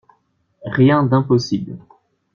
Rien d'impossible